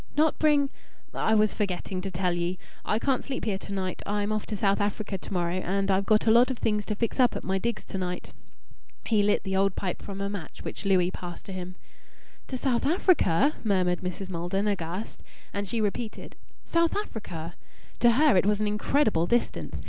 "Not bring " "I was forgetting to tell ye. I can't sleep here to night. I'm off to South Africa to morrow, and I've got a lot of things to fix up at my digs to night." He lit the old pipe from a match which Louis passed to him. "To South Africa?" murmured Mrs. Maldon, aghast. And she repeated, "South Africa?" To her it was an incredible distance.